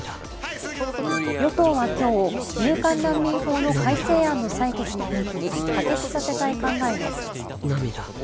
与党は今日、入管難民法の改正案の採決に踏み切り可決させたい考えです。